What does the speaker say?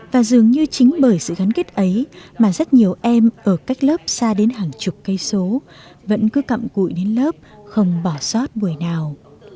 và dường như chính bởi sự gắn kết ấy mà rất nhiều em ở cách lớp xa đến hàng chục cây số vẫn cứ cặm cụi đến lớp không bỏ sót buổi nào